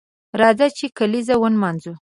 راځه چې کالیزه ونمانځو